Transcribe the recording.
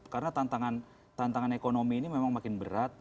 karena tantangan ekonomi ini memang makin berat